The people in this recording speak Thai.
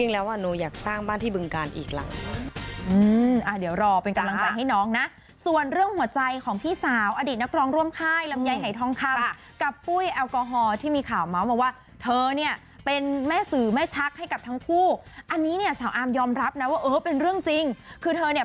แล้วว่านูอยากสร้างบ้านที่บึงการอีกหลังอืมอ่าเดี๋ยวรอเป็นกำลังใจให้น้องนะส่วนเรื่องหัวใจของพี่สาวอดีตนักรองร่วมค่ายลำยายไหยทองคำกับปุ้ยแอลกอฮอล์ที่มีข่าวเมาส์มาว่าเธอเนี่ยเป็นแม่สือแม่ชักให้กับทั้งคู่อันนี้เนี่ยสาวอามยอมรับนะว่าเออเป็นเรื่องจริงคือเธอเนี่ย